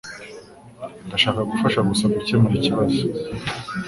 Ndashaka gufasha gusa gukemura ikibazo